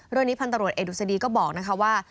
เรื่องนี้พันตรวจเอดุสดีก็บอกว่า